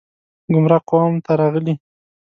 ګمراه قوم ته راغلي